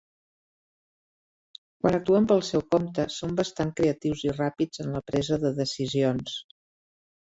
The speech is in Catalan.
Quan actuen pel seu compte, són bastant creatius i ràpids en la presa de decisions.